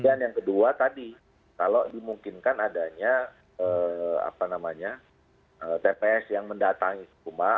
dan yang kedua tadi kalau dimungkinkan adanya apa namanya tps yang mendatangi rumah